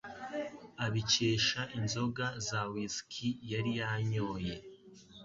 abikesha inzoga za Whiskey yari yanyoye.